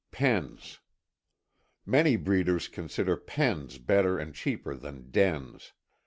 4.ŌĆöPens. Many breeders consider pens better and cheaper than dens.